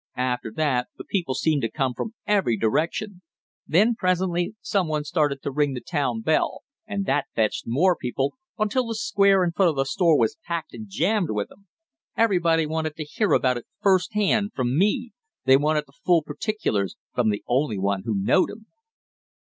After, that the people seemed to come from every direction; then presently some one started to ring the town bell and that fetched more people, until the Square in front of the store was packed and jammed with 'em. Everybody' wanted to hear about it first hand from me; they wanted the full particulars from the only one who knowed 'em."